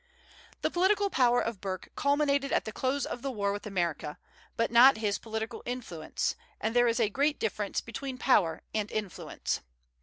The political power of Burke culminated at the close of the war with America, but not his political influence: and there is a great difference between power and influence.